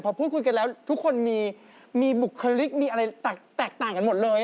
พอพูดคุยกันแล้วทุกคนมีบุคลิกมีอะไรแตกต่างกันหมดเลย